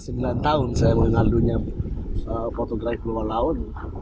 saya mengenal dunia fotografi bawah laut